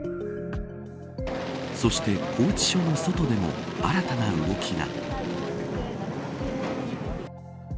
そして、拘置所の外でも新たな動きが。